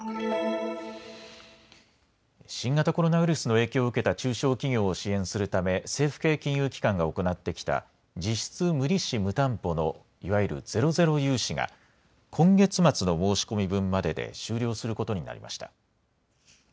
新型コロナウイルスの影響を受けた中小企業を支援するため政府系金融機関が行ってきた実質無利子・無担保のいわゆるゼロゼロ融資が今月末の申し込み分までで終了することになりました。